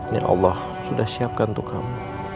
ya allah sudah siapkan untuk kamu